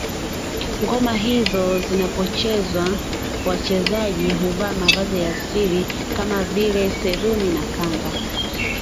Ngoma hizo zinapochezwa wachezaji huvaa mavazi ya asili kama vile seruni na kanga